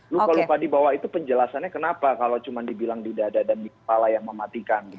luka luka di bawah itu penjelasannya kenapa kalau cuma dibilang di dada dan di kepala yang mematikan